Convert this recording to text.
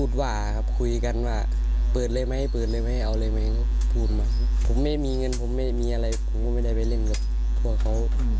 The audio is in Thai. โดนเสียดศรีหลายครั้งค่ะ